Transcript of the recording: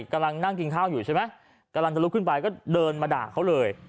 กำลังนั่งกินข้าวอยู่ใช่ไหมกำลังจะลุกขึ้นไปก็เดินมาด่าเขาเลย